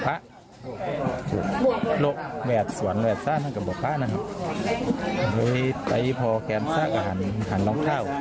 ป๊านั่งเฮ้ยใต้พอแกมซ่ากอาหารอาหารลองเท้า